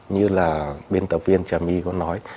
như là biên tập viên trà my có nói